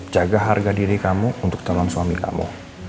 jaga harga diri kamu untuk calon suami kamu